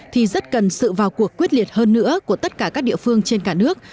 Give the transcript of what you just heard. thì rất cần sự vào cuộc quyết liệt hơn nữa của tất cả các địa phương trên cả nước